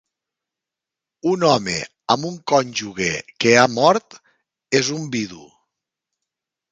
Un home amb un cònjuge que ha mort és un vidu.